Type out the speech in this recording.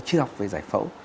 chưa học về giải phẫu